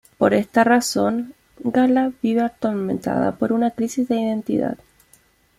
Por esta razón, Gala vive atormentada por su crisis de identidad.